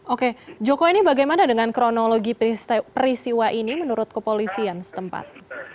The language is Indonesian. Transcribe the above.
oke joko ini bagaimana dengan kronologi peristiwa ini menurut kepolisian setempat